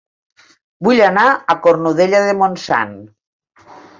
Vull anar a Cornudella de Montsant